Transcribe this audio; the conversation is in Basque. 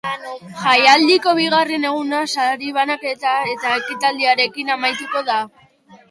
Jaialdiko bigarren eguna sari banaketa ekitaldiarekin amaituko da.